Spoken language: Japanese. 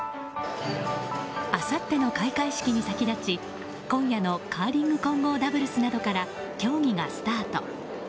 あさっての開会式に先立ち今夜のカーリング混合ダブルスなどから競技がスタート。